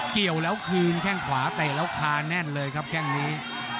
เกี่ยวแล้วคืนแข้งขวาเตะแล้วคาแน่นเลยครับแค่งนี้